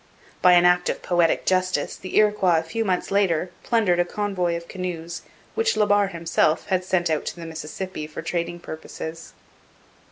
By an act of poetic justice the Iroquois a few months later plundered a convoy of canoes which La Barre himself had sent out to the Mississippi for trading purposes.